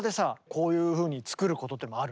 こういうふうに作ることもある？